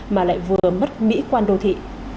mà lại vừa mất mỹ quan đô thị